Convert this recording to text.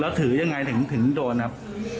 แล้วถือยังไงถึงโดนครับ